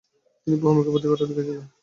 তিনি বহুমুখী প্রতিভার অধিকারী ছিলেন।